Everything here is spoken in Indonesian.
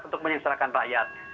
untuk menyesuaikan rakyat